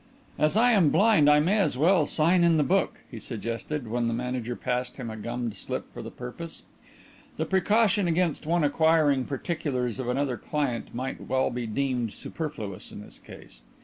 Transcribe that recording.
"As I am blind I may as well sign in the book," he suggested, when the manager passed to him a gummed slip for the purpose. The precaution against one acquiring particulars of another client might well be deemed superfluous in his case.